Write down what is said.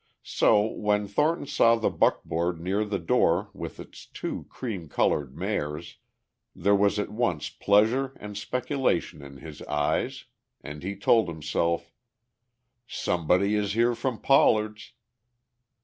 So when Thornton saw the buckboard near the door with its two cream coloured mares, there was at once pleasure and speculation in his eyes, and he told himself, "Somebody is here from Pollard's."